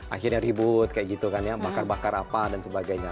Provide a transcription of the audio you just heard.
akhirnya ribut kayak gitu kan ya bakar bakar apa dan sebagainya